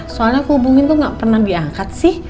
soalnya aku hubungin tuh gak pernah diangkat sih